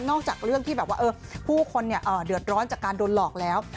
จากเรื่องที่แบบว่าผู้คนเดือดร้อนจากการโดนหลอกแล้ว